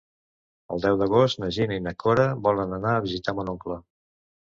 El deu d'agost na Gina i na Cora volen anar a visitar mon oncle.